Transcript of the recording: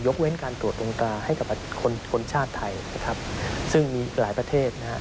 ยกเว้นการตรวจองค์กาให้กับคนชาติไทยนะครับซึ่งมีหลายประเทศนะครับ